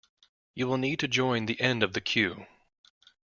You will need to join the end of the queue.